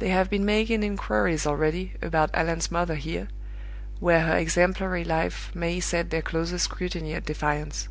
They have been making inquiries already about Allan's mother here, where her exemplary life may set their closest scrutiny at defiance.